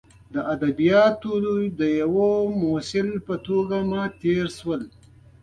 د ادبیاتو د یوه محصل په توګه مې تیر شول.